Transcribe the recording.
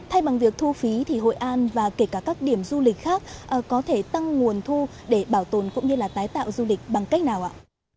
thay bằng việc thu phí thì hội an và kể cả các điểm du lịch khác có thể tăng nguồn thu để bảo tồn cũng như là tái tạo du lịch bằng cách nào ạ